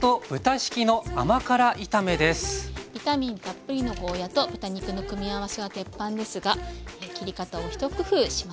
ビタミンたっぷりのゴーヤーと豚肉の組み合わせは鉄板ですが切り方を一工夫しました。